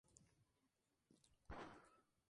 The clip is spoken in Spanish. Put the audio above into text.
Arzobispo de la Arquidiócesis de Tegucigalpa.